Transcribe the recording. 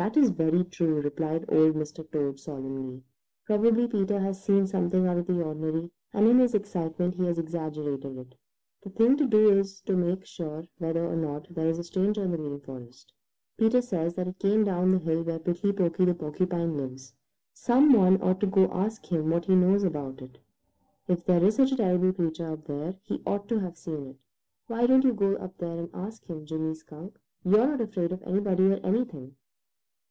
'" "That is very true," replied Old Mr. Toad solemnly. "Probably Peter has seen something out of the ordinary, and in his excitement he has exaggerated it. The thing to do is to make sure whether or not there is a stranger in the Green Forest. Peter says that it came down the hill where Prickly Porky the Porcupine lives. Some one ought to go ask him what he knows about it. If there is such a terrible creature up there, he ought to have seen it. Why don't you go up there and ask him, Jimmy Skunk? You're not afraid of anybody or anything."